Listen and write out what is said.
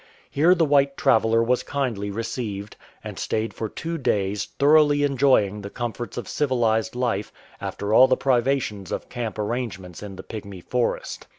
Here the white traveller was kindly received, and stayed for two days, thoroughly enjoying the comforts of civilized life after all the privations of camp arrangements in the Pygmy Forest.